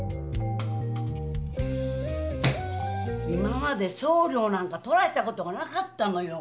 今まで送料なんか取られた事がなかったのよ！